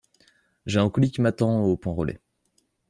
J'ai un colis qui m'attend au point relais.